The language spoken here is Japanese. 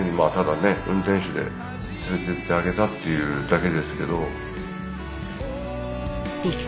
運転手で連れてってあげたっていうだけですけど。